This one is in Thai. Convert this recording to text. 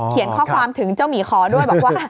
ข้อความถึงเจ้าหมีขอด้วยบอกว่า